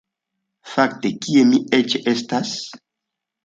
Fakte, kie mi eĉ estas?